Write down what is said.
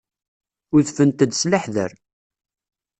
Udfent-d s leḥder.